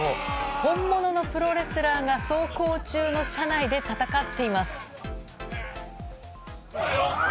本物のプロレスラーが走行中の車内で戦っています。